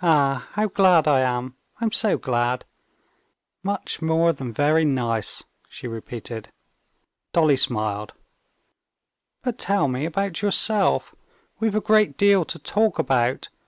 "Ah, how glad I am! I'm so glad! Much more than very nice," she repeated. Dolly smiled. "But tell me about yourself. We've a great deal to talk about.